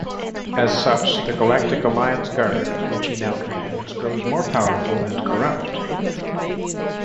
As such, the Galactic Alliance Guard, which he commands, grows more powerful and corrupt.